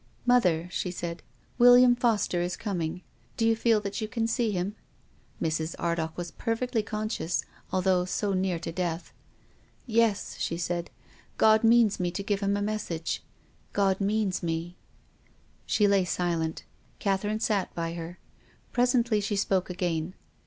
" Mother," she said, " William Foster is com ing. Do you feel that you can see him ?' Mrs. Ardagh was perfectly conscious, although so near death. " Yes," she said. " God means me to give him a message — God means me." She lay silent ; Catherine sat by her. Presently she spoke again.